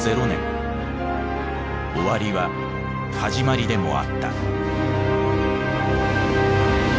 終わりは始まりでもあった。